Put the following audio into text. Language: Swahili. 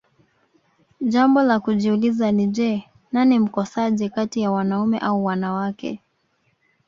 jambo la kujiuliza ni je nani mkosaji kati ya wanaume au wanawake